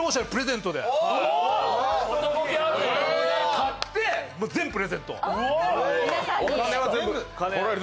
買って全部プレゼント！